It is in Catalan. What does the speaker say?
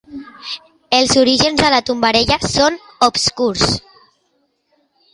Els orígens de la tombarella són obscurs.